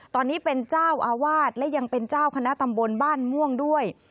ตอนนี้เป็นเจ้าอาวาสและยังเป็นเจ้าคณะตำบลบ้านม่วงด้วย